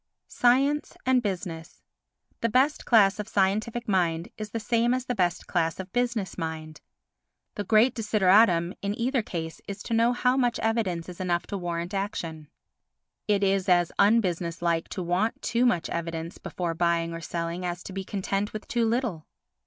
Science and Business The best class of scientific mind is the same as the best class of business mind. The great desideratum in either case is to know how much evidence is enough to warrant action. It is as unbusiness like to want too much evidence before buying or selling as to be content with too little.